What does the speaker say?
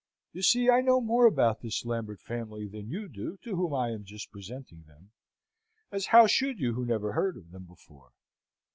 You see I know more about this Lambert family than you do to whom I am just presenting them: as how should you who never heard of them before!